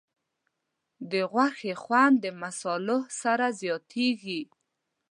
د غوښې خوند د مصالحو سره زیاتېږي.